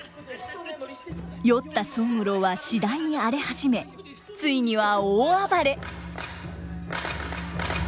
酔った宗五郎は次第に荒れ始めついには大暴れ。